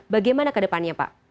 bagaimana ke depannya pak